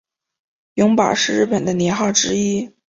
永保是日本的年号之一。